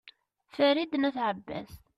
farid n at abbas